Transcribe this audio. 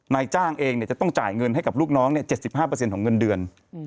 นายจ้างเองจะต้องจ่ายเงินให้กับลูกน้อง๗๕ของเงินเดือน